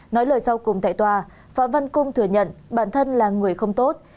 nói lời sau cùng tại tòa văn cung thừa nhận bản thân là người không tốt